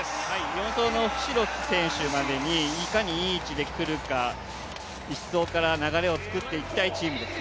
４走のフシロス選手までにいかにいい位置で来るか、１走から流れを作っていきたいチームです。